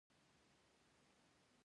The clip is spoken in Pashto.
په افغانستان کې د آب وهوا منابع شته.